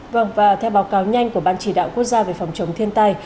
vâng và theo báo cáo nhanh của ban chỉ đạo quốc gia về phòng chống thiên tai